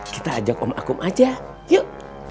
kita ajak om akum aja yuk